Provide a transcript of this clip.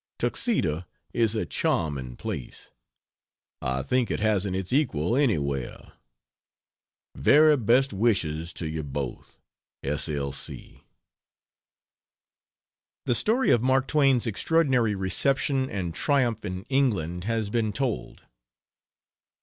Tuxedo is a charming place; I think it hasn't its equal anywhere. Very best wishes to you both. S. L. C. The story of Mark Twain's extraordinary reception and triumph in England has been told.